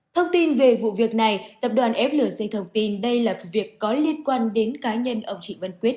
thông tin về vụ việc này tập đoàn flc thông tin đây là việc có liên quan đến cá nhân ông trịnh văn quyết